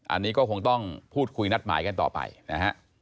อันนี้ก็คงต้องพูดคุยนัดหมายกันต่อไปนะฮะ